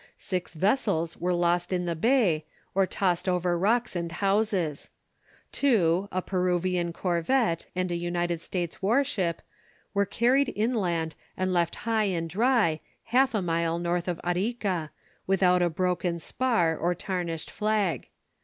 Six vessels were lost in the bay, or tossed over rocks and houses; two, a Peruvian corvette and a United States war ship, were carried inland and left high and dry, half a mile north of Arica, without a broken spar or tarnished flag.